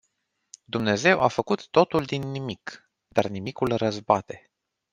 Dumnezeu a făcut totul din nimic. Dar nimicul răzbate.